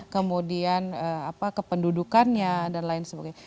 kemudian kependudukannya dan lain sebagainya